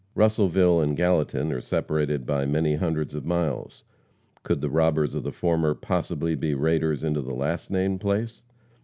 Russellville and Gallatin are separated by many hundreds of miles. Could the robbers of the former possibly be the raiders into the last named place?